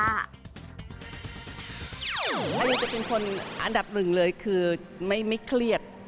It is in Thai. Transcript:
อายุจะเป็นคนอันดับหนึ่งเลยคือไม่เครียด